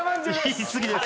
言い過ぎです。